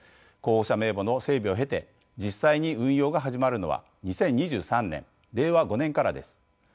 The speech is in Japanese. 候補者名簿の整備を経て実際に運用が始まるのは２０２３年令和５年からです。